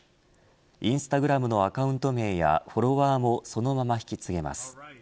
インスタグラムのアカウント名やフォロワーもそのまま引き継げます。